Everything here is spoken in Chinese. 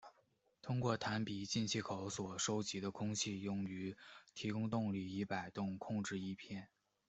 通过弹鼻进气口所收集的空气用于提供动力以摆动控制翼片。